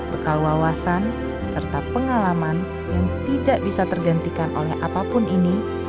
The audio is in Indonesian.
bekal wawasan serta pengalaman yang tidak bisa tergantikan oleh apapun ini